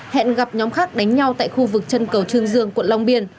hẹn gặp nhóm khác đánh nhau tại khu vực chân cầu trương dương quận long biên